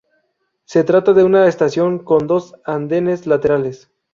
Se trata de una estación con dos andenes laterales.